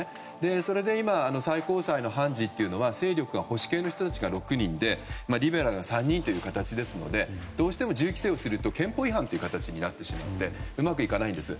それで今、最高裁の判事は勢力が、保守系の人たちが６人でリベラルが３人という形ですのでどうしても銃規制をすると憲法違反になってしまうのでうまくいかないんです。